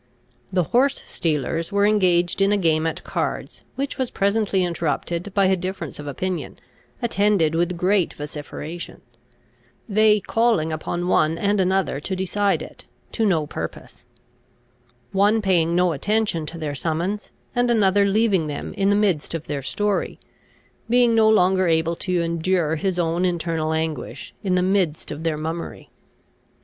The horse stealers were engaged in a game at cards, which was presently interrupted by a difference of opinion, attended with great vociferation, they calling upon one and another to decide it, to no purpose; one paying no attention to their summons, and another leaving them in the midst of their story, being no longer able to endure his own internal anguish, in the midst of their mummery.